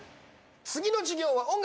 次の授業は音楽。